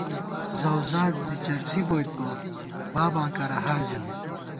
زؤزاد زی چرسی بِبوئیت بہ باباں کرہ حال ژَمېت